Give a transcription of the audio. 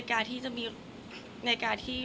แต่ขวัญไม่สามารถสวมเขาให้แม่ขวัญได้